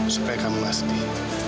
supaya kamu gak sedih